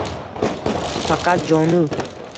Faqat jonu